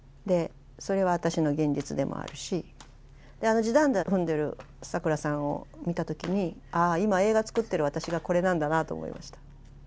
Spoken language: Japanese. それは私の現実でもあるしあの地団駄踏んでるサクラさんを見た時に「ああ今映画を作ってる私がこれなんだな」と思いました。